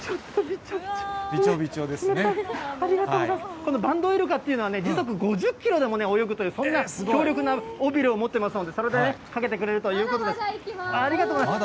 このバンドウイルカというのは時速５０キロで泳ぐという、そんな強力な尾びれを持ってますので、それでかけてくれるということでまだまだいきます。